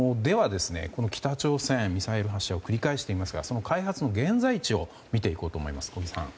北朝鮮、ミサイル発射を繰り返していますが開発の現在地を見ていこうと思います。